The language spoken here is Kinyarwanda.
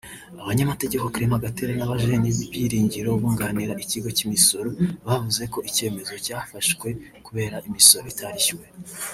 abanyamategeko Clement Gatera na Bajeni Byiringiro bunganira ikigo cy’imisoro bavuze ko icyemezo cyafashwe kubera imisoro itarishyuwe